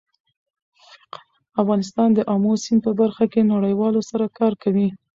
افغانستان د آمو سیند په برخه کې نړیوالو سره کار کوي.